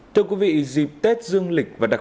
thưa quý vị dịp tết dương lịch và đà nẵng